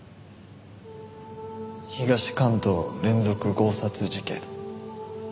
東関東連続強殺事件。